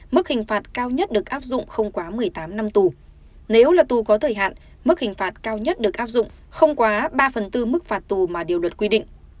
mức hình phạt cao nhất được áp dụng không quá một mươi tám năm tù nếu là tù có thời hạn mức hình phạt cao nhất được áp dụng không quá ba phần tư mức phạt tù mà điều luật quy định